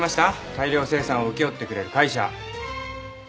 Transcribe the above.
大量生産を請け負ってくれる会社。